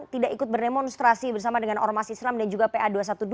tidak ikut berdemonstrasi bersama dengan ormas islam dan juga pa dua ratus dua belas